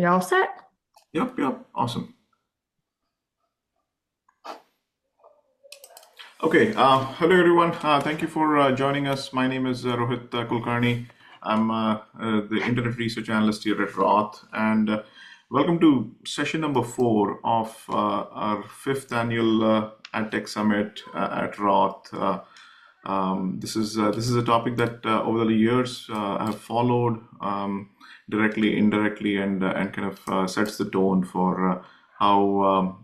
You all set? Yes. Awesome. Okay. Hello everyone. Thank you for joining us. My name is Rohit Kulkarni. I'm the internet research analyst here at Roth, and welcome to session number four of our fifth annual AdTech summit at Roth. This is a topic that over the years I have followed directly, indirectly, and kind of sets the tone for how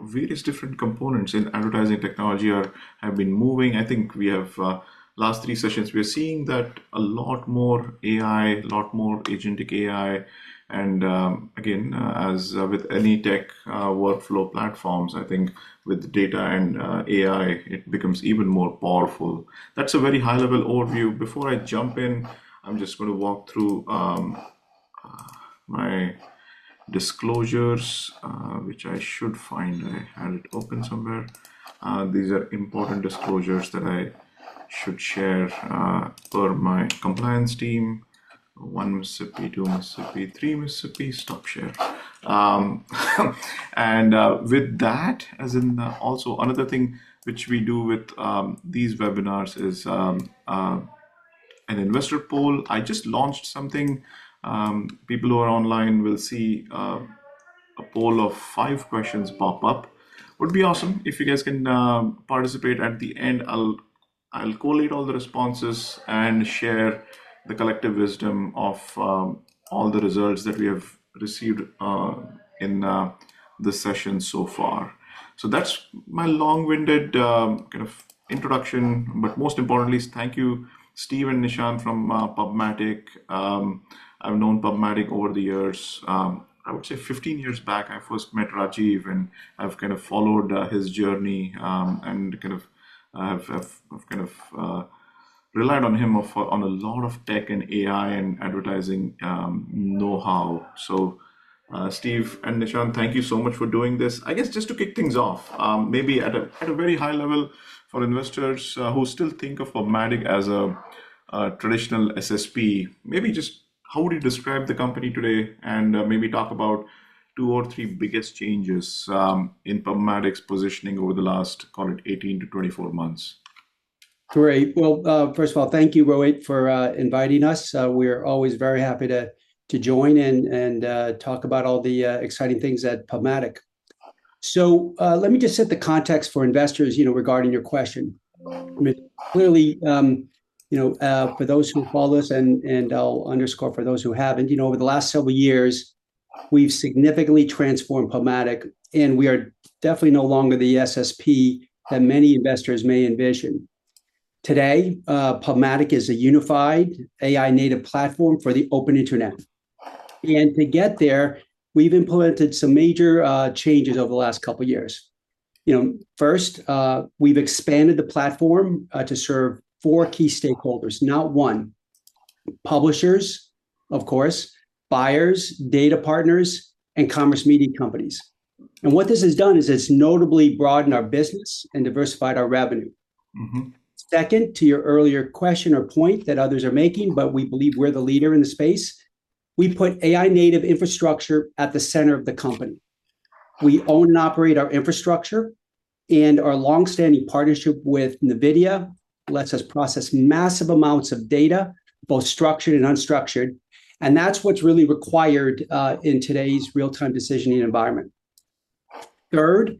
various different components in advertising technology have been moving. I think we have last three sessions, we are seeing that a lot more AI, a lot more agentic AI, and again, as with any tech workflow platforms, I think with data and AI, it becomes even more powerful. That's a very high-level overview. Before I jump in, I'm just going to walk through my disclosures, which I should find. I had it open somewhere. These are important disclosures that I should share per my compliance team. One Mississippi, two Mississippi, three Mississippi. Stop share. With that, as in also another thing which we do with these webinars is an investor poll. I just launched something. People who are online will see a poll of five questions pop up. Would be awesome if you guys can participate at the end. I'll collate all the responses and share the collective wisdom of all the results that we have received in this session so far. That's my long-winded kind of introduction, but most importantly is thank you Steve and Nishant from PubMatic. I've known PubMatic over the years. I would say 15 years back, I first met Rajeev, and I've kind of followed his journey, and I've kind of relied on him on a lot of tech and AI and advertising knowhow. Steve and Nishant, thank you so much for doing this. I guess just to kick things off, maybe at a very high-level for investors who still think of PubMatic as a traditional SSP, maybe just how would you describe the company today? Maybe talk about two or three biggest changes in PubMatic's positioning over the last, call it 18 to 24 months. Great. First of all, thank you, Rohit, for inviting us. We're always very happy to join and talk about all the exciting things at PubMatic. Let me just set the context for investors regarding your question. Clearly, for those who follow us, and I'll underscore for those who haven't, over the last several years we've significantly transformed PubMatic, and we are definitely no longer the SSP that many investors may envision. Today, PubMatic is a unified AI native platform for the open internet. To get there, we've implemented some major changes over the last couple of years. First, we've expanded the platform to serve four key stakeholders, not one. Publishers, of course, buyers, data partners, and Commerce Media companies. What this has done is it's notably broadened our business and diversified our revenue. Second to your earlier question or point that others are making, we believe we're the leader in the space, we put AI native infrastructure at the center of the company. We own and operate our infrastructure, and our longstanding partnership with NVIDIA lets us process massive amounts of data, both structured and unstructured, and that's what's really required in today's real-time decisioning environment. Third,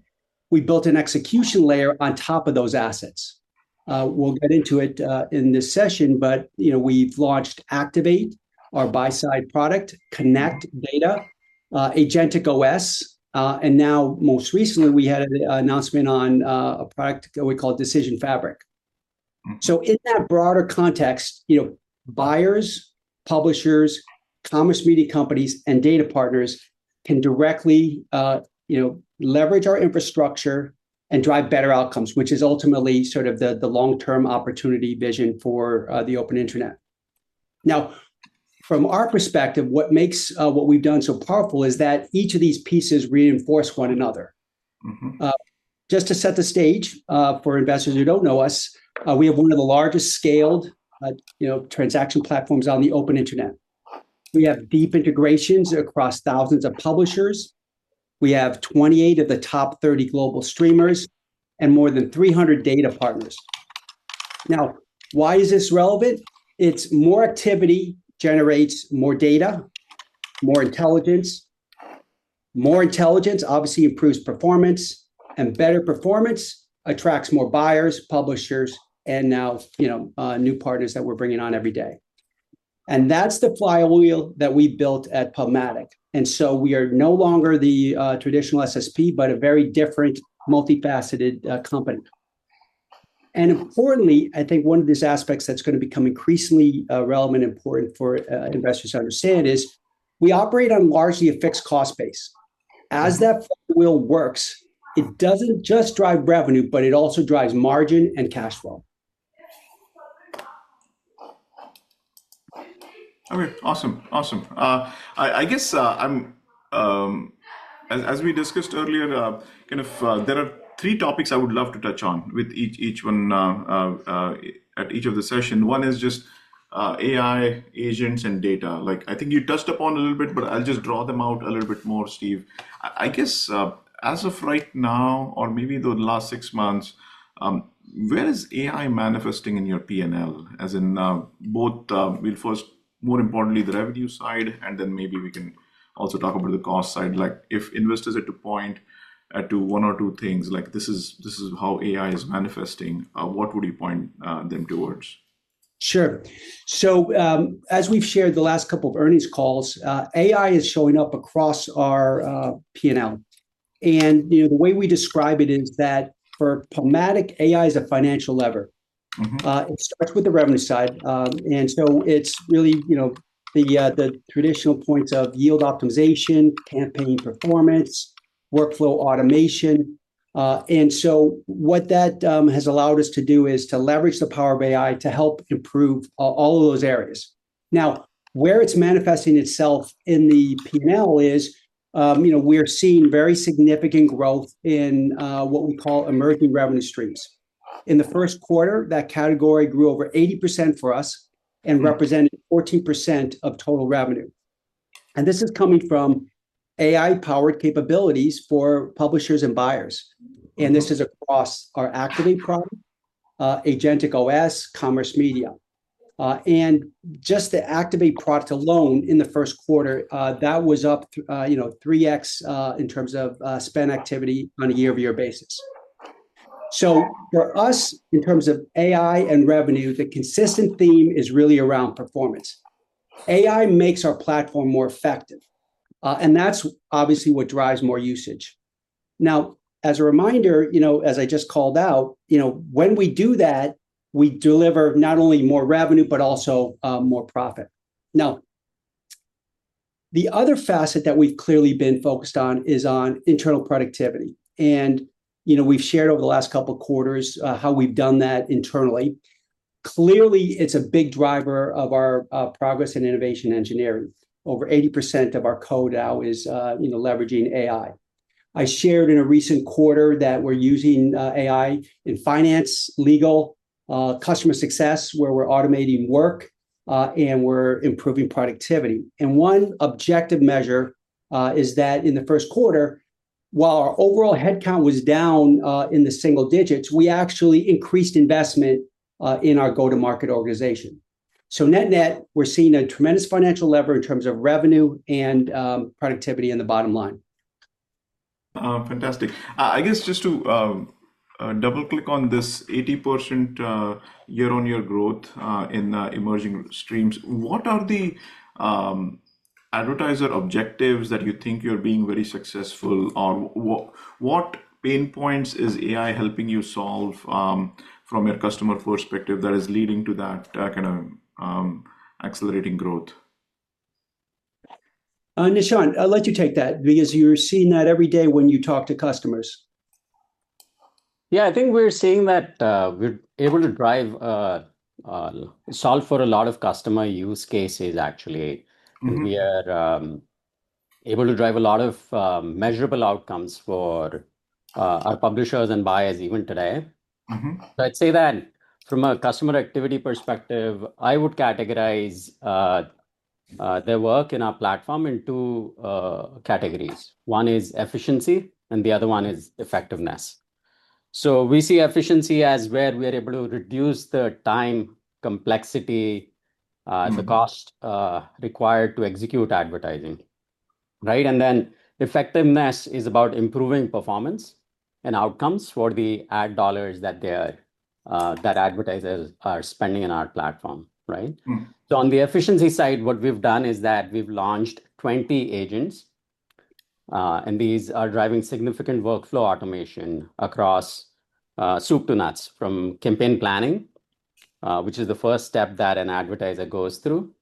we built an execution layer on top of those assets. We'll get into it in this session, we've launched Activate, our buy-side product, Connect data, AgenticOS, and now most recently we had an announcement on a product we call Decision Fabric. In that broader context, buyers, publishers, Commerce Media companies, and data partners can directly leverage our infrastructure and drive better outcomes, which is ultimately sort of the long-term opportunity vision for the open internet. From our perspective, what makes what we've done so powerful is that each of these pieces reinforce one another. Just to set the stage for investors who don't know us, we have one of the largest scaled transaction platforms on the open internet. We have deep integrations across thousands of publishers. We have 28 of the top 30 global streamers and more than 300 data partners. Why is this relevant? It's more activity generates more data, more intelligence. More intelligence obviously improves performance and better performance attracts more buyers, publishers, and now new partners that we're bringing on every day. That's the flywheel that we built at PubMatic, we are no longer the traditional SSP, but a very different multifaceted company. Importantly, I think one of these aspects that's going to become increasingly relevant, important for investors to understand is we operate on largely a fixed cost base. As that flywheel works, it doesn't just drive revenue, but it also drives margin and cash flow. Okay. Awesome. As we discussed earlier, there are three topics I would love to touch on with each one at each of the session. One is just AI agents and data. I think you touched upon a little bit, but I'll just draw them out a little bit more, Steve. I guess, as of right now, or maybe the last six months, where is AI manifesting in your P&L? As in both, well, first, more importantly, the revenue side, and then maybe we can also talk about the cost side. If investors are to point to one or two things, like this is how AI is manifesting, what would you point them towards? Sure. As we've shared the last couple of earnings calls, AI is showing up across our P&L. The way we describe it is that for PubMatic, AI is a financial lever. It starts with the revenue side. It's really the traditional points of yield optimization, campaign performance, workflow automation. What that has allowed us to do is to leverage the power of AI to help improve all of those areas. Now, where it's manifesting itself in the P&L is, we're seeing very significant growth in what we call emerging revenue streams. In the first quarter, that category grew over 80% for us- Represented 14% of total revenue. This is coming from AI-powered capabilities for publishers and buyers. This is across our Activate product, AgenticOS, Commerce Media. Just the Activate product alone in the first quarter, that was up 3x in terms of spend activity on a year-over-year basis. For us, in terms of AI and revenue, the consistent theme is really around performance. AI makes our platform more effective, and that's obviously what drives more usage. As a reminder, as I just called out, when we do that, we deliver not only more revenue, but also more profit. The other facet that we've clearly been focused on is on internal productivity. We've shared over the last couple of quarters how we've done that internally. Clearly, it's a big driver of our progress in innovation engineering. Over 80% of our code now is leveraging AI. I shared in a recent quarter that we're using AI in finance, legal, customer success, where we're automating work, and we're improving productivity. One objective measure is that in the first quarter, while our overall headcount was down in the single digits, we actually increased investment in our go-to-market organization. Net-net, we're seeing a tremendous financial lever in terms of revenue and productivity in the bottom line. Fantastic. I guess just to double-click on this 80% year-on-year growth in emerging streams, what are the advertiser objectives that you think you're being very successful? Or what pain points is AI helping you solve from a customer perspective that is leading to that kind of accelerating growth? Nishant, I'll let you take that because you're seeing that every day when you talk to customers. I think we're seeing that we're able to solve for a lot of customer use cases, actually. We are able to drive a lot of measurable outcomes for our publishers and buyers even today. I'd say, from a customer activity perspective, I would categorize their work in our platform in two categories. One is efficiency, and the other one is effectiveness. We see efficiency as where we are able to reduce the time complexity, the cost required to execute advertising. Right? Effectiveness is about improving performance and outcomes for the ad dollars that advertisers are spending on our platform, right? We've done is that we've launched 20 agents, these are driving significant workflow automation across soup to nuts, from campaign planning, which is the first step that an advertiser goes through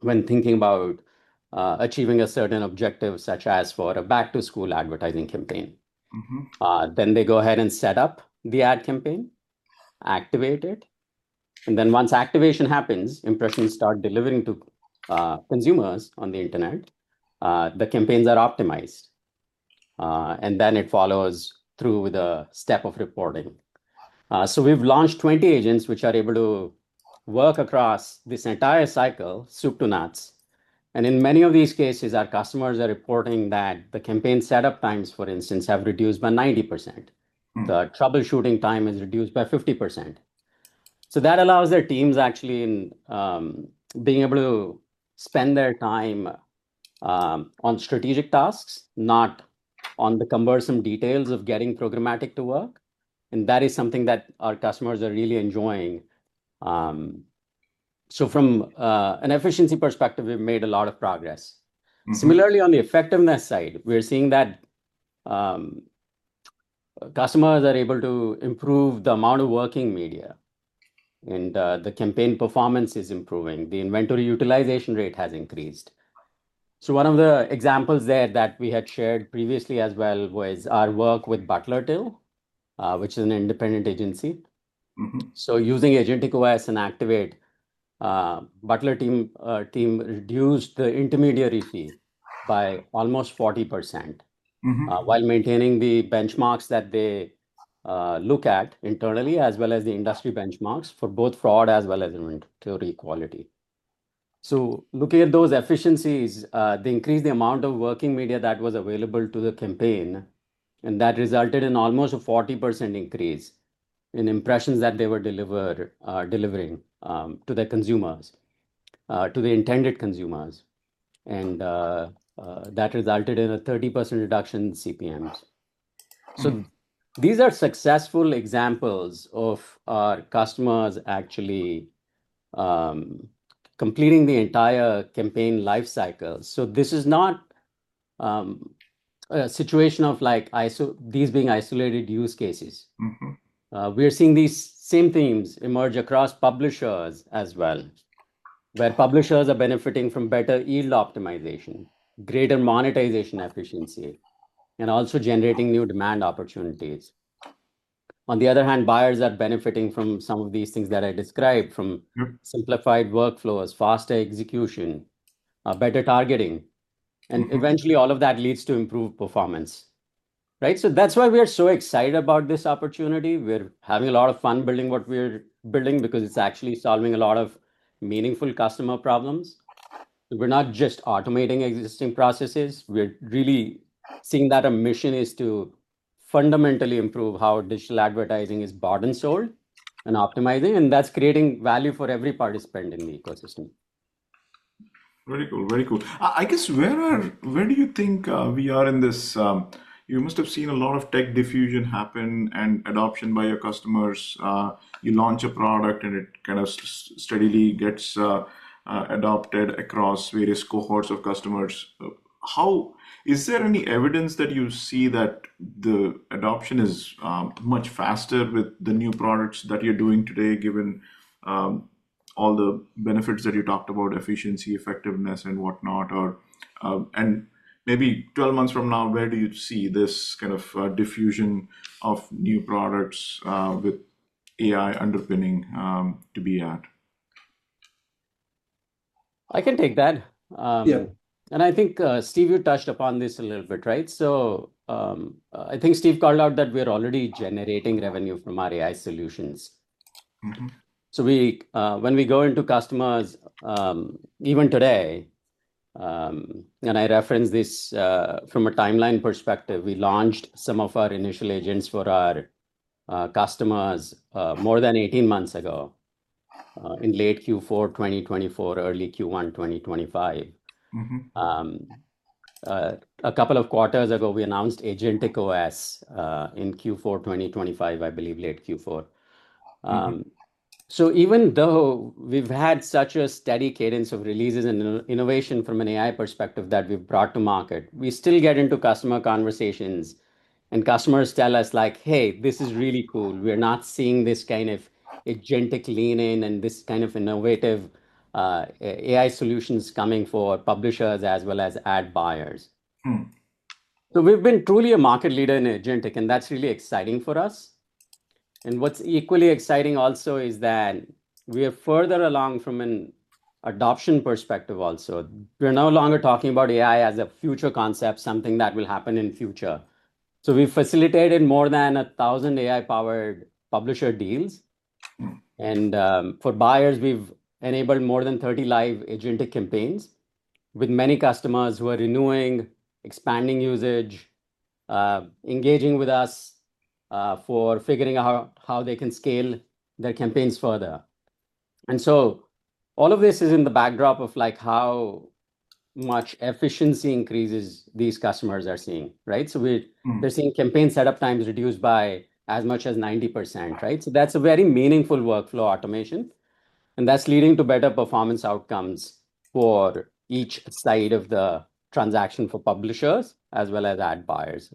when thinking about achieving a certain objective, such as for a back-to-school advertising campaign. They go ahead and set up the ad campaign, activate it, once activation happens, impressions start delivering to consumers on the internet, the campaigns are optimized. It follows through with the step of reporting. We've launched 20 agents, which are able to work across this entire cycle, soup to nuts. In many of these cases, our customers are reporting that the campaign setup times, for instance, have reduced by 90%. The troubleshooting time is reduced by 50%. That allows their teams actually in being able to spend their time on strategic tasks, not on the cumbersome details of getting programmatic to work, that is something that our customers are really enjoying. From an efficiency perspective, we've made a lot of progress. Similarly, on the effectiveness side, we're seeing that customers are able to improve the amount of working media, the campaign performance is improving. The inventory utilization rate has increased. One of the examples there that we had shared previously as well was our work with Butler/Till, which is an independent agency. Using AgenticOS and Activate, Butler/Till reduced the intermediary fee by almost 40%. While maintaining the benchmarks that they look at internally, as well as the industry benchmarks for both fraud as well as intermediary quality. Looking at those efficiencies, they increased the amount of working media that was available to the campaign, and that resulted in almost a 40% increase in impressions that they were delivering to the intended consumers. That resulted in a 30% reduction in CPMs. These are successful examples of our customers actually completing the entire campaign life cycle. This is not a situation of these being isolated use cases. We are seeing these same themes emerge across publishers as well, where publishers are benefiting from better yield optimization, greater monetization efficiency, and also generating new demand opportunities. On the other hand, buyers are benefiting from some of these things that I described. simplified workflows, faster execution, better targeting, and eventually all of that leads to improved performance. That's why we are so excited about this opportunity. We're having a lot of fun building what we're building because it's actually solving a lot of meaningful customer problems. We're not just automating existing processes. We're really seeing that our mission is to fundamentally improve how digital advertising is bought and sold and optimizing, and that's creating value for every participant in the ecosystem. Very cool. I guess, where do you think we are in this? You must have seen a lot of tech diffusion happen and adoption by your customers. You launch a product and it kind of steadily gets adopted across various cohorts of customers. Is there any evidence that you see that the adoption is much faster with the new products that you are doing today, given all the benefits that you talked about, efficiency, effectiveness and whatnot? Maybe 12 months from now, where do you see this kind of diffusion of new products with AI underpinning to be at? I can take that. Yeah. I think, Steve, you touched upon this a little bit, right? I think Steve called out that we are already generating revenue from our AI solutions. When we go into customers, even today, and I reference this from a timeline perspective, we launched some of our initial agents for our customers more than 18 months ago, in late Q4 2024, early Q1 2025. A couple of quarters ago, we announced AgenticOS in Q4 2025, I believe late Q4. Even though we've had such a steady cadence of releases and innovation from an AI perspective that we've brought to market, we still get into customer conversations and customers tell us, "Hey, this is really cool. We're not seeing this kind of agentic lean in and this kind of innovative AI solutions coming for publishers as well as ad buyers. We've been truly a market leader in agentic, and that's really exciting for us. What's equally exciting also is that we are further along from an adoption perspective also. We're no longer talking about AI as a future concept, something that will happen in future. We've facilitated more than 1,000 AI-powered publisher deals. For buyers, we've enabled more than 30 live Agentic campaigns with many customers who are renewing, expanding usage, engaging with us for figuring out how they can scale their campaigns further. All of this is in the backdrop of how much efficiency increases these customers are seeing. They're seeing campaign setup times reduced by as much as 90%. That's a very meaningful workflow automation, and that's leading to better performance outcomes for each side of the transaction for publishers as well as ad buyers.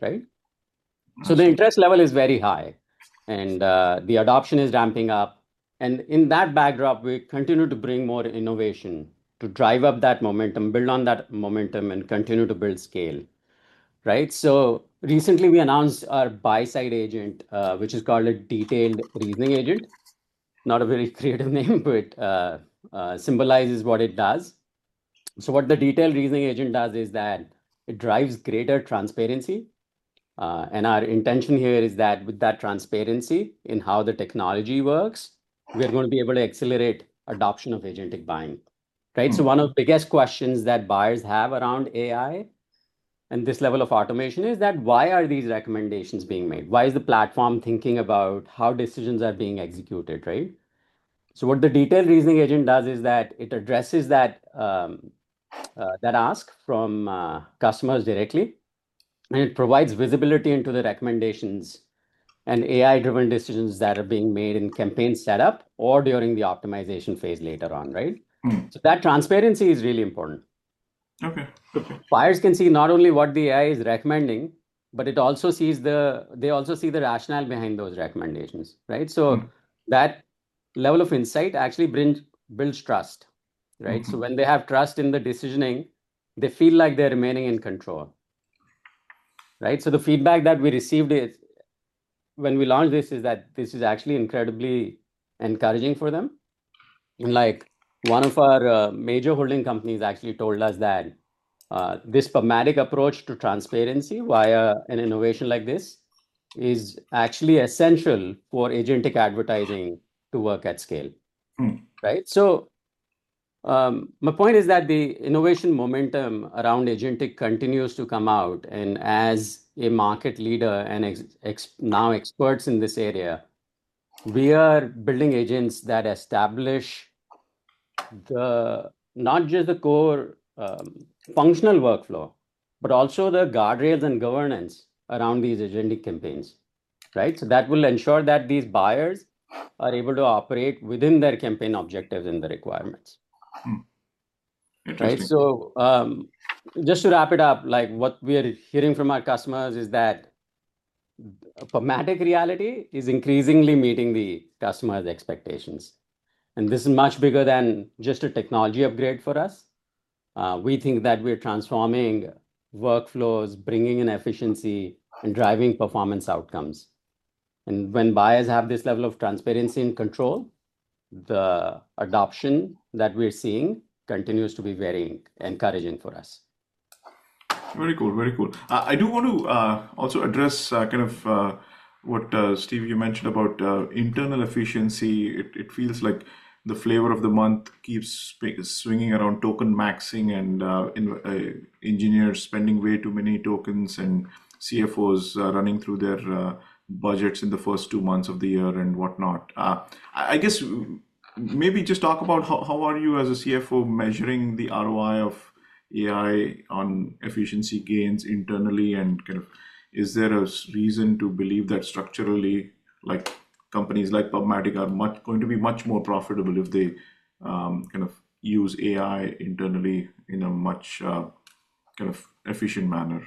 The interest level is very high and the adoption is ramping up. In that backdrop, we continue to bring more innovation to drive up that momentum, build on that momentum, and continue to build scale. Recently we announced our buy-side agent, which is called a Detailed Reasoning Agent. Not a very creative name, but symbolizes what it does. What the Detailed Reasoning Agent does is that it drives greater transparency. Our intention here is that with that transparency in how the technology works, we're going to be able to accelerate adoption of Agentic buying. One of the biggest questions that buyers have around AI and this level of automation is that why are these recommendations being made? Why is the platform thinking about how decisions are being executed? What the Detailed Reasoning Agent does is that it addresses that ask from customers directly, and it provides visibility into the recommendations and AI-driven decisions that are being made in campaign setup or during the optimization phase later on. That transparency is really important. Okay. Good point. Buyers can see not only what the AI is recommending, but they also see the rationale behind those recommendations, right? That level of insight actually builds trust, right? When they have trust in the decisioning, they feel like they're remaining in control. Right? The feedback that we received when we launched this is that this is actually incredibly encouraging for them. One of our major holding companies actually told us that this PubMatic approach to transparency via an innovation like this is actually essential for agentic advertising to work at scale. Right? My point is that the innovation momentum around agentic continues to come out, and as a market leader and now experts in this area, we are building agents that establish not just the core functional workflow, but also the guardrails and governance around these agentic campaigns. Right? That will ensure that these buyers are able to operate within their campaign objectives and the requirements. Interesting. Right. Just to wrap it up, what we are hearing from our customers is that PubMatic reality is increasingly meeting the customers' expectations. This is much bigger than just a technology upgrade for us. We think that we're transforming workflows, bringing in efficiency, and driving performance outcomes. When buyers have this level of transparency and control, the adoption that we're seeing continues to be very encouraging for us. Very cool. I do want to also address kind of what, Steve, you mentioned about internal efficiency. It feels like the flavor of the month keeps swinging around token maxing and engineers spending way too many tokens and CFOs running through their budgets in the first two months of the year and whatnot. I guess, maybe just talk about how are you as a CFO measuring the ROI of AI on efficiency gains internally, and kind of is there a reason to believe that structurally companies like PubMatic are going to be much more profitable if they kind of use AI internally in a much kind of efficient manner?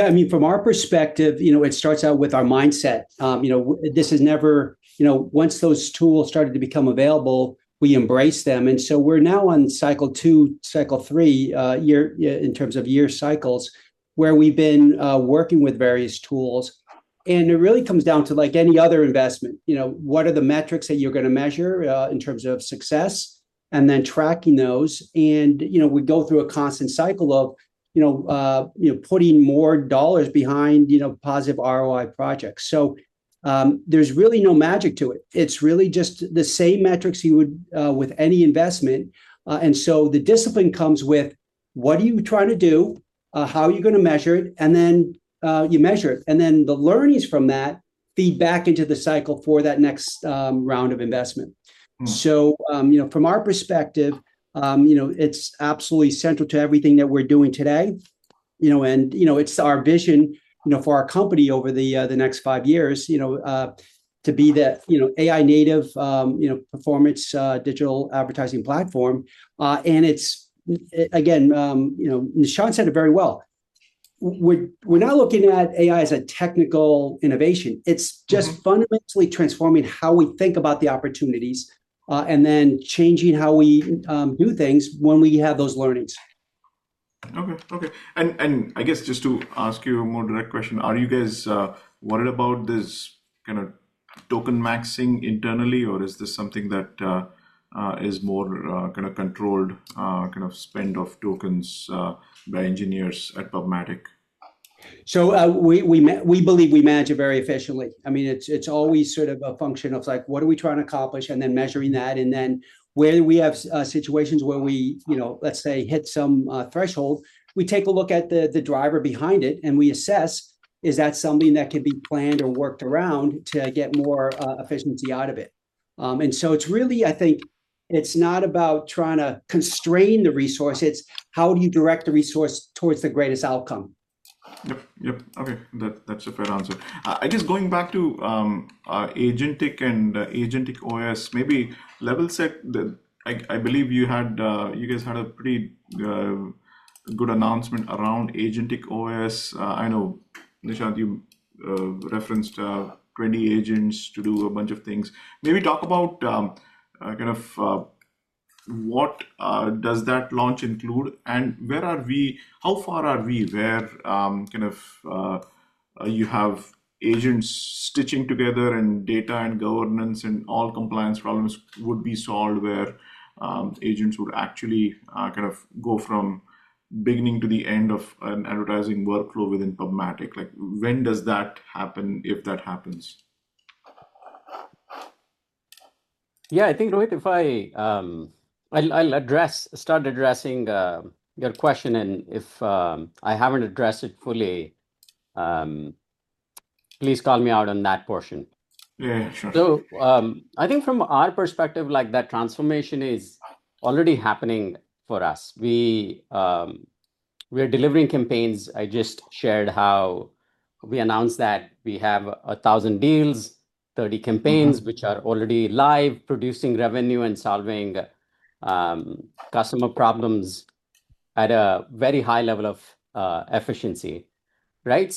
I mean, from our perspective, it starts out with our mindset. Once those tools started to become available, we embrace them. We're now on cycle two, cycle three in terms of year cycles, where we've been working with various tools, and it really comes down to like any other investment, what are the metrics that you're going to measure in terms of success, and then tracking those. We go through a constant cycle of putting more dollars behind positive ROI projects. There's really no magic to it. It's really just the same metrics you would with any investment. The discipline comes with what are you trying to do? How are you going to measure it? And then, you measure it, and then the learnings from that feed back into the cycle for that next round of investment. From our perspective, it's absolutely central to everything that we're doing today, and it's our vision for our company over the next five years, to be that AI native performance digital advertising platform. Again, Nishant said it very well, we're now looking at AI as a technical innovation. It's just fundamentally transforming how we think about the opportunities, then changing how we do things when we have those learnings. Okay. I guess just to ask you a more direct question, are you guys worried about this kind of token maxing internally, or is this something that is more kind of controlled kind of spend of tokens by engineers at PubMatic? We believe we manage it very efficiently. It's always sort of a function of like what are we trying to accomplish and then measuring that, and then where we have situations where we let's say hit some threshold, we take a look at the driver behind it, and we assess is that something that can be planned or worked around to get more efficiency out of it. It's really, I think, it's not about trying to constrain the resource, it's how do you direct the resource towards the greatest outcome? Yep. Okay. That's a fair answer. I guess going back to Agentic and AgenticOS, maybe level set. I believe you guys had a pretty good announcement around AgenticOS. I know, Nishant, you referenced 20 agents to do a bunch of things. Maybe talk about kind of what does that launch include and how far are we where kind of you have agents stitching together and data and governance and all compliance problems would be solved, where agents would actually kind of go from beginning to the end of an advertising workflow within PubMatic. Like when does that happen, if that happens? Yeah, I think, Rohit, if I'll start addressing your question and if I haven't addressed it fully, please call me out on that portion. Yeah, sure. From our perspective, like that transformation is already happening for us. We are delivering campaigns. I just shared how we announced that we have 1,000 deals, 30 campaigns which are already live producing revenue and solving customer problems at a very high level of efficiency, right?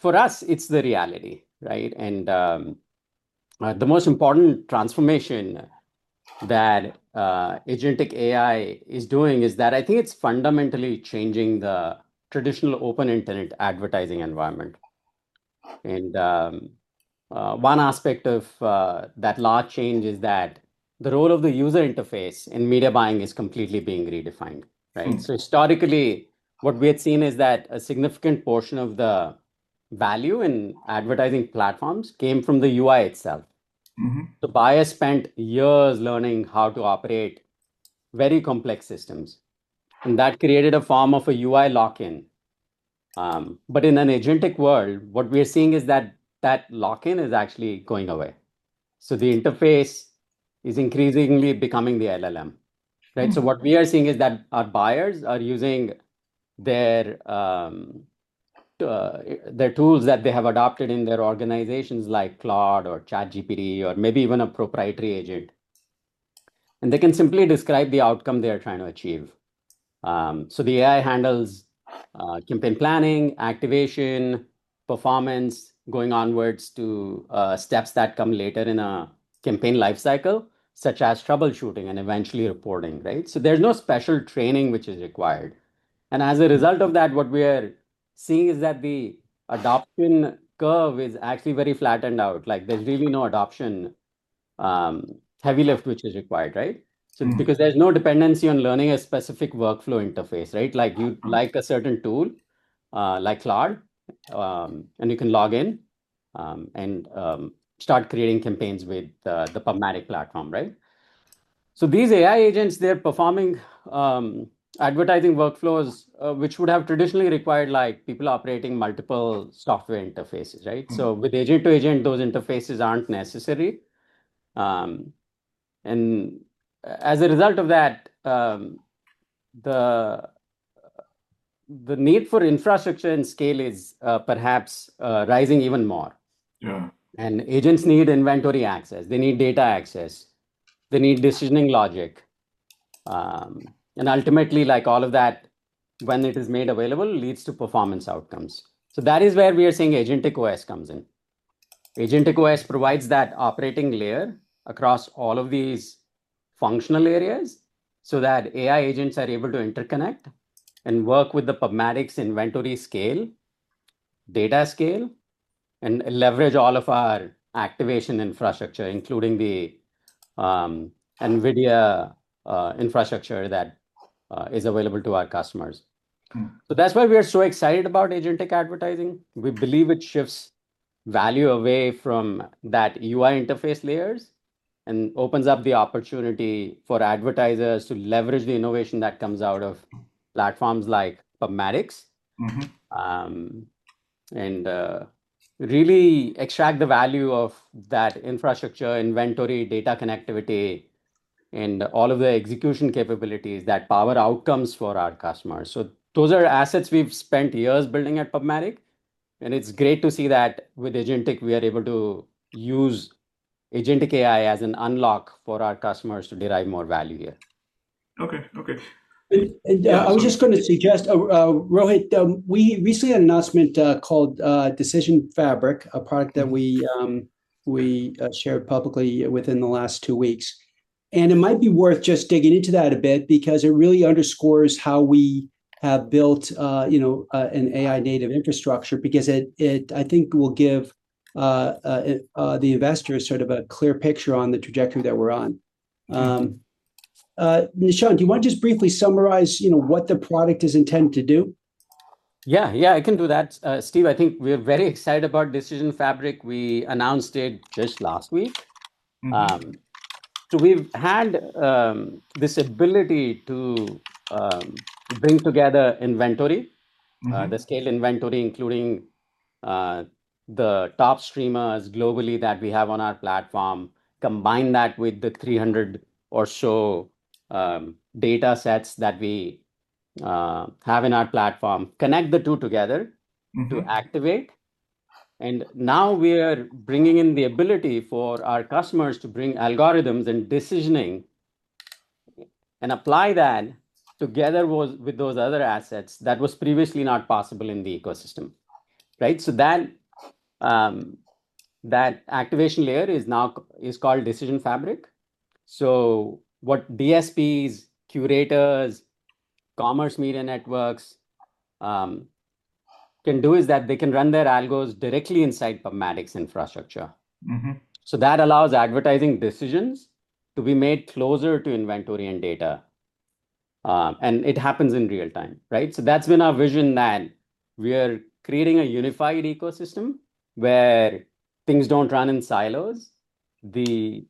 For us, it's the reality, right? The most important transformation that agentic AI is doing is that I think it's fundamentally changing the traditional open internet advertising environment. One aspect of that large change is that the role of the user interface in media buying is completely being redefined, right? Historically, what we had seen is that a significant portion of the value in advertising platforms came from the UI itself. The buyer spent years learning how to operate very complex systems, and that created a form of a UI lock-in. In an agentic world, what we are seeing is that that lock-in is actually going away. The interface is increasingly becoming the LLM, right? What we are seeing is that our buyers are using their tools that they have adopted in their organizations, like Claude or ChatGPT or maybe even a proprietary agent, and they can simply describe the outcome they are trying to achieve. The AI handles campaign planning, activation, performance, going onwards to steps that come later in a campaign life cycle, such as troubleshooting and eventually reporting, right? There's no special training which is required. As a result of that, what we are seeing is that the adoption curve is actually very flattened out. There's really no adoption heavy lift which is required, right? It's because there's no dependency on learning a specific workflow interface, right? You like a certain tool, like Claude, and you can log in and start creating campaigns with the PubMatic platform, right? These AI agents, they're performing advertising workflows which would have traditionally required people operating multiple software interfaces, right? With agent to agent, those interfaces aren't necessary. As a result of that, the need for infrastructure and scale is perhaps rising even more. Yeah. Agents need inventory access. They need data access. They need decisioning logic. Ultimately, all of that, when it is made available, leads to performance outcomes. That is where we are seeing AgenticOS comes in. AgenticOS provides that operating layer across all of these functional areas so that AI agents are able to interconnect and work with the PubMatic's inventory scale, data scale, and leverage all of our activation infrastructure, including the NVIDIA infrastructure that is available to our customers. That's why we are so excited about agentic advertising. We believe it shifts value away from that UI interface layers and opens up the opportunity for advertisers to leverage the innovation that comes out of platforms like PubMatic. Really extract the value of that infrastructure, inventory, data connectivity, and all of the execution capabilities that power outcomes for our customers. Those are assets we've spent years building at PubMatic, and it's great to see that with Agentic, we are able to use Agentic AI as an unlock for our customers to derive more value here. Okay. I was just going to suggest, Rohit, we recently had an announcement called Decision Fabric, a product that we shared publicly within the last two weeks. It might be worth just digging into that a bit because it really underscores how we have built an AI native infrastructure, because it, I think, will give the investors sort of a clear picture on the trajectory that we're on. Nishant, do you want to just briefly summarize what the product is intended to do? Yeah. I can do that. Steve, I think we're very excited about Decision Fabric. We announced it just last week. We've had this ability to bring together inventory. The scale inventory, including the top streamers globally that we have on our platform, combine that with the 300 or so datasets that we have in our platform, connect the two together. To Activate. Now we are bringing in the ability for our customers to bring algorithms and decisioning and apply that together with those other assets. That was previously not possible in the ecosystem, right? That activation layer is called Decision Fabric. What DSPs, curators, Commerce Media networks can do is that they can run their algos directly inside PubMatic's infrastructure. That allows advertising decisions to be made closer to inventory and data, and it happens in real-time, right? That's been our vision that we are creating a unified ecosystem where things don't run in silos. The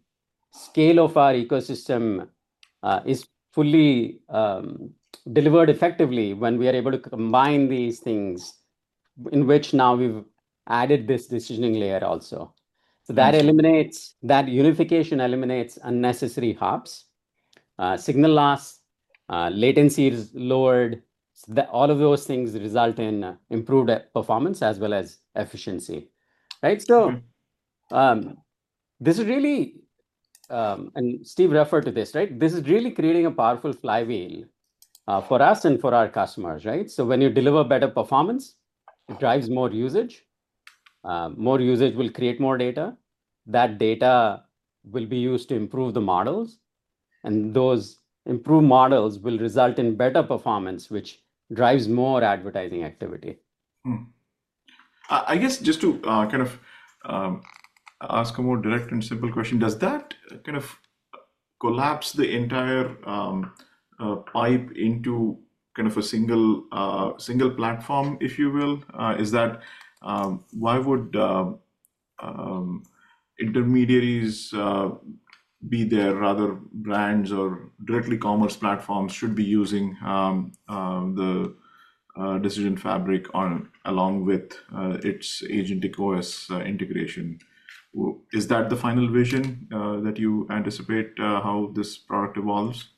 scale of our ecosystem is fully delivered effectively when we are able to combine these things in which now we've added this decisioning layer also. Okay Unification eliminates unnecessary hops, signal loss, latencies lowered. All of those things result in improved performance as well as efficiency, right? This really, Steve referred to this, right? This is really creating a powerful flywheel for us and for our customers, right? When you deliver better performance, it drives more usage. More usage will create more data. That data will be used to improve the models, and those improved models will result in better performance, which drives more advertising activity. Hmm. I guess, just to ask a more direct and simple question, does that kind of collapse the entire pipe into a single platform, if you will? Why would intermediaries be there, rather brands or directly commerce platforms should be using the Decision Fabric along with its AgenticOS integration? Is that the final vision that you anticipate how this product evolves?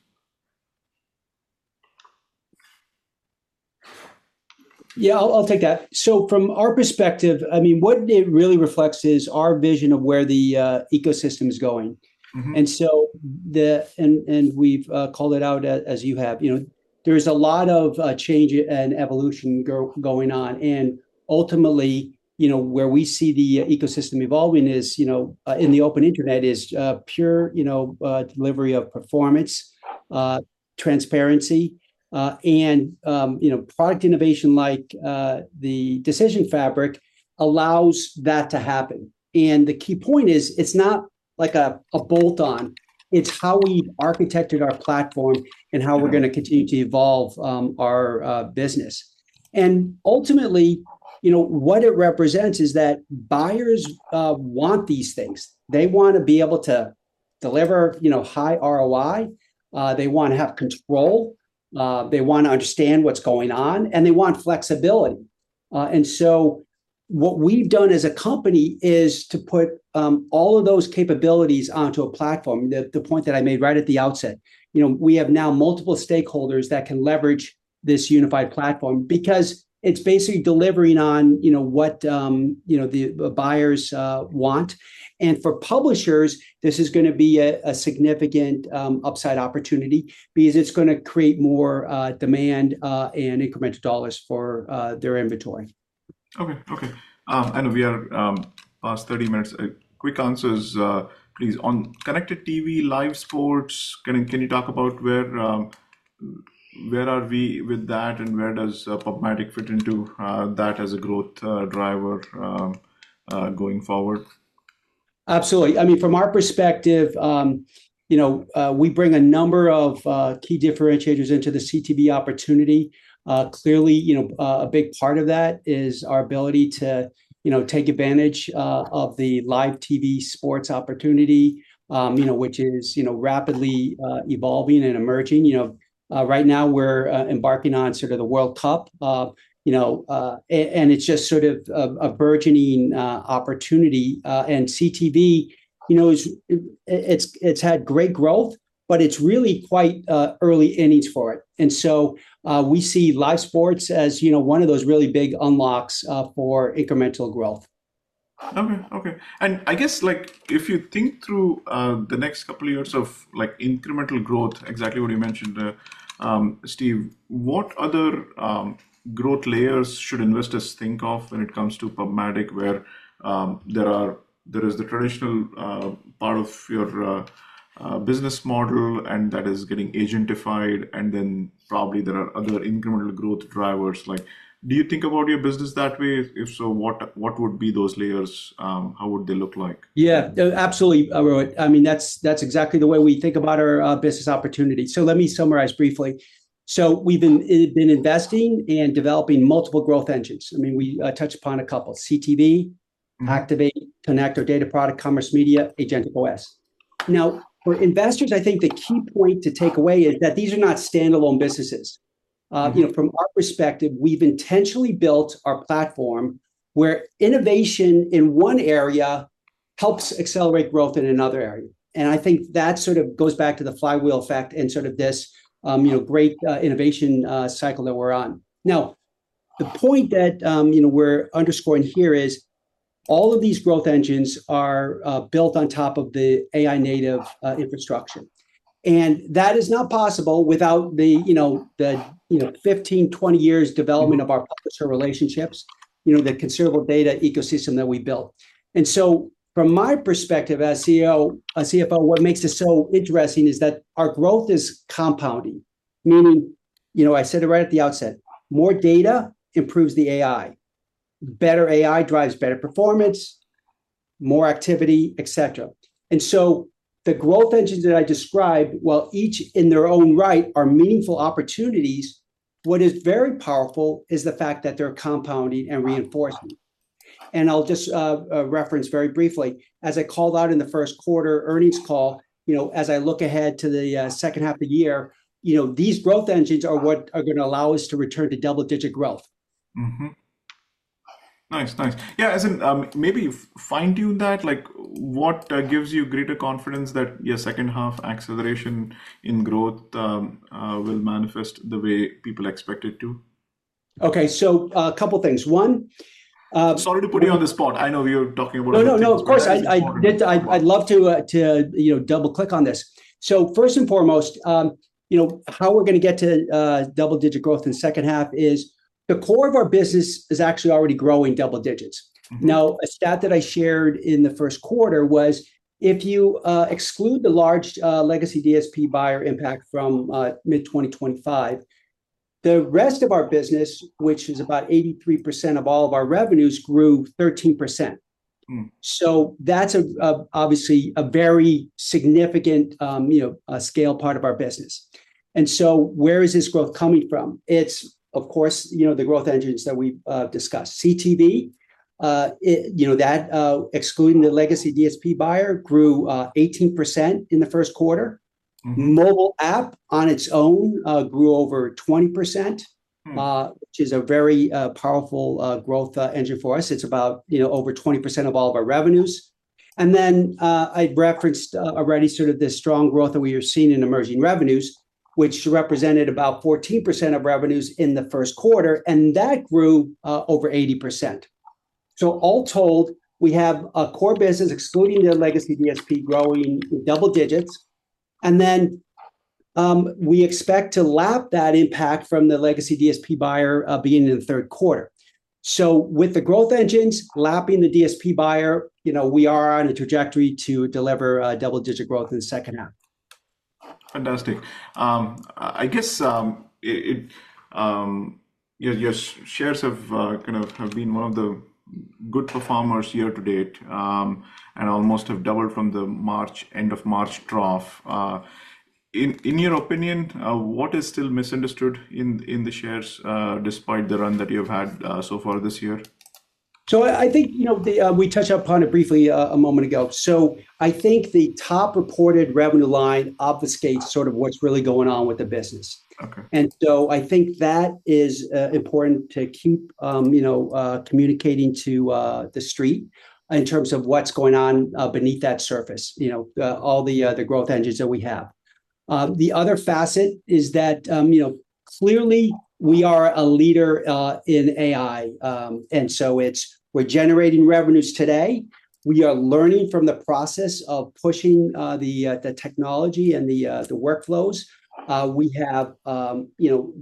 Yeah, I'll take that. From our perspective, what it really reflects is our vision of where the ecosystem is going. We've called it out as you have. There's a lot of change and evolution going on, and ultimately, where we see the ecosystem evolving is in the open internet is pure delivery of performance, transparency, and product innovation like the Decision Fabric allows that to happen. The key point is, it's not like a bolt-on. It's how we've architected our platform and how we're going to continue to evolve our business. Ultimately, what it represents is that buyers want these things. They want to be able to deliver high ROI, they want to have control, they want to understand what's going on, and they want flexibility. What we've done as a company is to put all of those capabilities onto a platform, the point that I made right at the outset. We have now multiple stakeholders that can leverage this unified platform because it's basically delivering on what the buyers want. For publishers, this is going to be a significant upside opportunity because it's going to create more demand and incremental U.S. dollars for their inventory. Okay. I know we are past 30 minutes. Quick answers, please. On connected TV, live sports, can you talk about where are we with that and where does PubMatic fit into that as a growth driver going forward? Absolutely. From our perspective, we bring a number of key differentiators into the CTV opportunity. Clearly, a big part of that is our ability to take advantage of the live TV sports opportunity, which is rapidly evolving and emerging. Right now, we're embarking on sort of the World Cup, and it's just sort of a burgeoning opportunity. CTV, it's had great growth, but it's really quite early innings for it. We see live sports as one of those really big unlocks for incremental growth. Okay. I guess if you think through the next couple of years of incremental growth, exactly what you mentioned, Steve, what other growth layers should investors think of when it comes to PubMatic, where there is the traditional part of your business model, and that is getting agentified, and then probably there are other incremental growth drivers. Do you think about your business that way? If so, what would be those layers? How would they look like? Yeah. Absolutely, Rohit. That's exactly the way we think about our business opportunity. Let me summarize briefly. We've been investing in developing multiple growth engines. We touched upon a couple: CTV, Activate, Connect, our data product, Commerce Media, AgenticOS. For investors, I think the key point to take away is that these are not standalone businesses. From our perspective, we've intentionally built our platform where innovation in one area helps accelerate growth in another area. I think that sort of goes back to the flywheel effect and sort of this great innovation cycle that we're on. The point that we're underscoring here is all of these growth engines are built on top of the AI native infrastructure. That is not possible without the 15, 20 years development of our publisher relationships, the considerable data ecosystem that we built. From my perspective as CFO, what makes this so interesting is that our growth is compounding. Meaning, I said it right at the outset, more data improves the AI. Better AI drives better performance, more activity, et cetera. The growth engines that I described, while each in their own right are meaningful opportunities, what is very powerful is the fact that they're compounding and reinforcing. I'll just reference very briefly, as I called out in the first quarter earnings call, as I look ahead to the second half of the year, these growth engines are what are gonna allow us to return to double-digit growth. Nice. Yeah, as in maybe fine-tune that, like what gives you greater confidence that your second half acceleration in growth will manifest the way people expect it to? Okay. A couple things. One. Sorry to put you on the spot. I know we were talking about. No, of course. I'd love to double-click on this. First and foremost, how we're going to get to double-digit growth in the second half is the core of our business is actually already growing double digits. A stat that I shared in the first quarter was if you exclude the large legacy DSP buyer impact from mid-2025, the rest of our business, which is about 83% of all of our revenues, grew 13%. That's obviously a very significant scale part of our business. Where is this growth coming from? It's of course, the growth engines that we've discussed. CTV, excluding the legacy DSP buyer, grew 18% in the first quarter. Mobile app on its own grew over 20%. Which is a very powerful growth engine for us. It's about over 20% of all of our revenues. I'd referenced already sort of this strong growth that we are seeing in emerging revenues, which represented about 14% of revenues in the first quarter, and that grew over 80%. All told, we have a core business excluding the legacy DSP growing double digits. We expect to lap that impact from the legacy DSP buyer being in the third quarter. With the growth engines lapping the DSP buyer, we are on a trajectory to deliver double-digit growth in the second half. Fantastic. I guess your shares have been one of the good performers year-to-date, and almost have doubled from the end of March trough. In your opinion, what is still misunderstood in the shares despite the run that you've had so far this year? I think we touched upon it briefly a moment ago. I think the top reported revenue line obfuscates sort of what's really going on with the business. Okay. I think that is important to keep communicating to the street in terms of what's going on beneath that surface, all the growth engines that we have. The other facet is that, clearly we are a leader in AI. We're generating revenues today. We are learning from the process of pushing the technology and the workflows. We have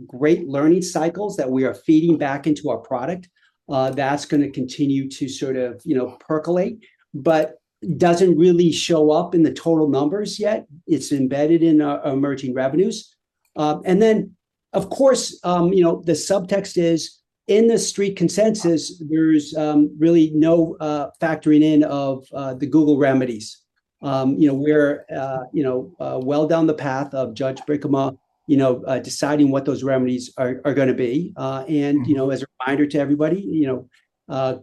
great learning cycles that we are feeding back into our product. That's going to continue to sort of percolate, but doesn't really show up in the total numbers yet. It's embedded in our emerging revenues. Of course, the subtext is in the street consensus, there's really no factoring in of the Google remedies. We're well down the path of Judge Brinkema deciding what those remedies are going to be. As a reminder to everybody,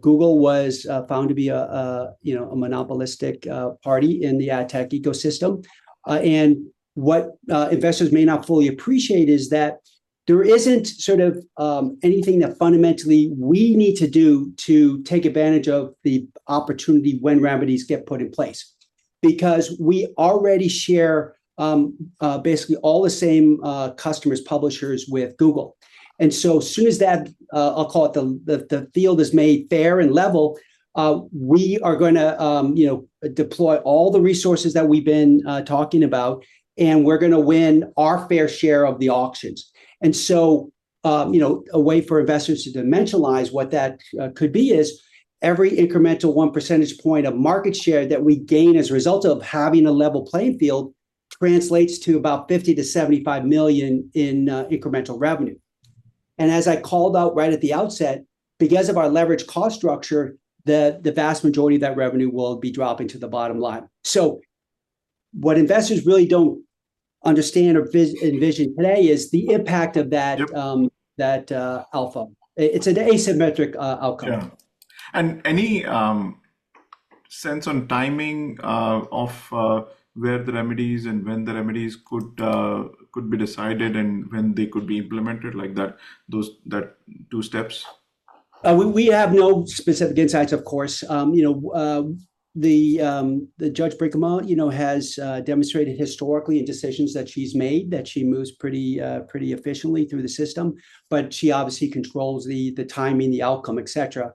Google was found to be a monopolistic party in the AdTech ecosystem. What investors may not fully appreciate is that there isn't sort of anything that fundamentally we need to do to take advantage of the opportunity when remedies get put in place. We already share basically all the same customers, publishers with Google. As soon as that, I'll call it, the field is made fair and level, we are going to deploy all the resources that we've been talking about, and we're going to win our fair share of the auctions. A way for investors to dimensionalize what that could be is every incremental one percentage point of market share that we gain as a result of having a level playing field translates to about $50 million-$75 million in incremental revenue. As I called out right at the outset, because of our leverage cost structure, the vast majority of that revenue will be dropping to the bottom line. What investors really don't understand or envision today is the impact of that. Yep That alpha. It's an asymmetric outcome. Yeah. Any sense on timing of where the remedies and when the remedies could be decided and when they could be implemented, like those two steps? We have no specific insights, of course. Judge Brinkema has demonstrated historically in decisions that she's made that she moves pretty efficiently through the system, but she obviously controls the timing, the outcome, et cetera.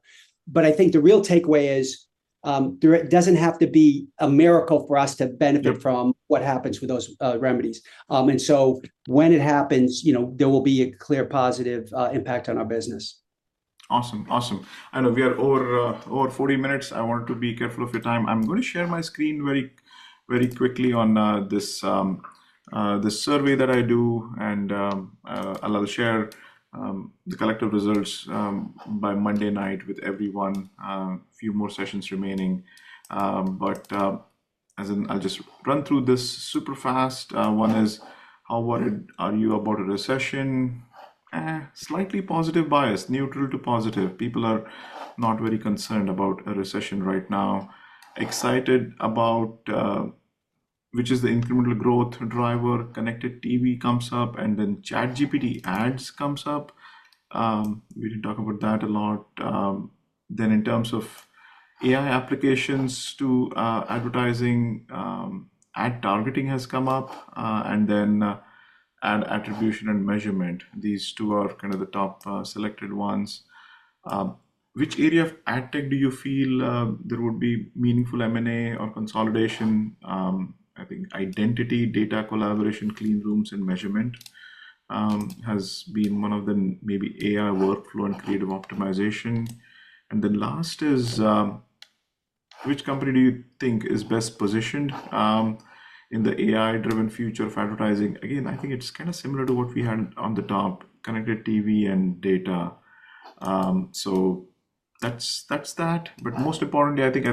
I think the real takeaway is, there doesn't have to be a miracle for us to benefit- Yep from what happens with those remedies. When it happens, there will be a clear positive impact on our business. Awesome. I know we are over 40 minutes. I wanted to be careful of your time. I'm going to share my screen very quickly on this survey that I do, and I'll share the collective results by Monday night with everyone. Few more sessions remaining. As in, I'll just run through this super fast. One is, how worried are you about a recession? Slightly positive bias, neutral to positive. People are not very concerned about a recession right now. Excited about which is the incremental growth driver, connected TV comes up, and then ChatGPT ads comes up. We did talk about that a lot. Then in terms of AI applications to advertising, ad targeting has come up, and then ad attribution and measurement. These two are kind of the top selected ones. Which area of AdTech do you feel there would be meaningful M&A or consolidation? I think identity, data collaboration, clean rooms and measurement has been one of the maybe AI workflow and creative optimization. Last is which company do you think is best positioned in the AI-driven future of advertising? Again, I think it's kind of similar to what we had on the top, connected TV and data. That's that. Most importantly, I think,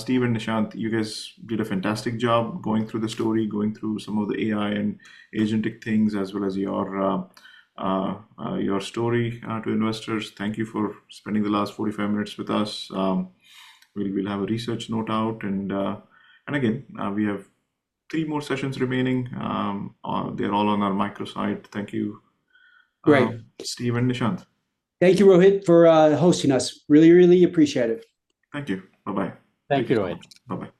Steve and Nishant, you guys did a fantastic job going through the story, going through some of the AI and agentic things as well as your story to investors. Thank you for spending the last 45 minutes with us. We'll have a research note out and, again, we have three more sessions remaining. They're all on our microsite. Thank you- Great Steve and Nishant. Thank you, Rohit, for hosting us. Really appreciate it. Thank you. Bye-bye. Thank you, Rohit. Bye-bye.